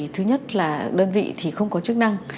thứ nhất là đơn vị thì không có chức năng